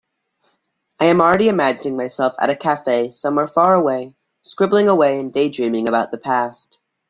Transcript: I am already imagining myself at a cafe somewhere far away, scribbling away and daydreaming about the past.